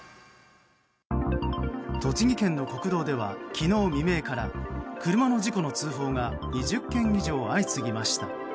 栃木県の国道では昨日未明から車の事故の通報が２０件以上、相次ぎました。